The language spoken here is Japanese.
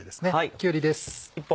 きゅうりです。